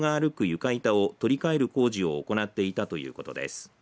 床板を取りかえる工事を行っていたということです。